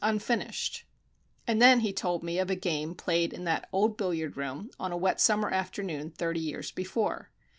Unfinished." And then he told me of a game played in that old billiard room on a wet summer afternoon thirty years before.